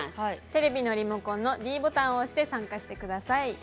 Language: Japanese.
テレビのリモコンのｄボタンを押して参加してください。